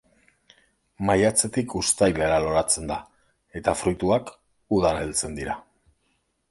Maiatzetik uztailera loratzen da, eta fruituak udan heltzen dira.